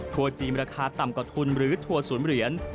จีนราคาต่ำกว่าทุนหรือทัวร์ศูนย์เหรียญ